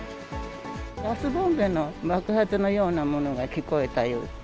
ガスボンベの爆発のようなものが聞こえたいうて。